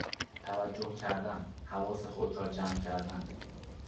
توجه کردن، حواس خود را جمع کردن